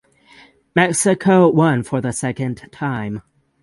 Mexico won for the second time.